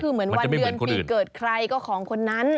คือเหมือนวันเดือนปีเกิดใครก็ของคนนั้น